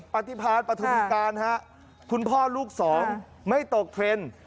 ปฏิพันธ์ปฏิภาคคุณพ่อลูกสองไม่ตกเทรนด์